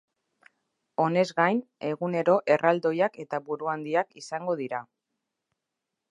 Honez gain, egunero erraldoiak eta buruhandiak izango dira.